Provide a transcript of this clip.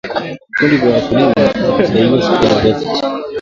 Vikundi vya wakulima husaidia Soko la viazi lishe